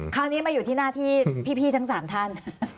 คราวนี้มาอยู่ที่หน้าที่พี่ทั้ง๓ท่าน